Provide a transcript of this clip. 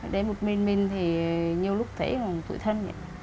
đây một minh minh thì nhiều lúc thấy còn tụi thân